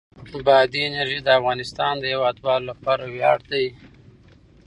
بادي انرژي د افغانستان د هیوادوالو لپاره ویاړ دی.